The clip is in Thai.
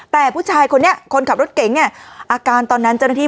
แต่ผู้ชายคนนี้คนขับรถเก๋งเนี่ยอาการตอนนั้นเจ้าหน้าที่